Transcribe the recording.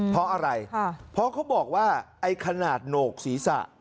เพราะอะไรเพราะเขาบอกว่าไอ้ขนาดโหนกศีรษะ